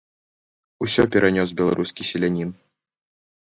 Усё перанёс беларускі селянін.